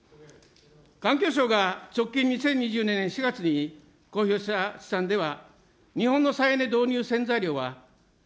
環境省が直近２０２０年４月に公表した試算では、日本の再エネ導入せん